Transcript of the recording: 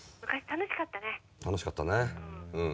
楽しかったねうん。